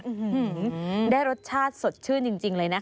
อื้อหือได้รสชาติสดชื่นจริงเลยนะคะ